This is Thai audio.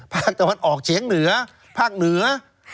ภาคตะวันออกเฉียงเหนือภาคเหนือ